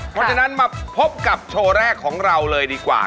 เพราะฉะนั้นมาพบกับโชว์แรกของเราเลยดีกว่า